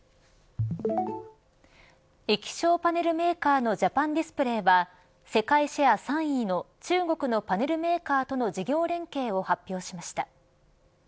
液晶パネルメーカーのジャパンディスプレイは世界シェア３位の中国のパネルメーカーとの事業連携を発表しました。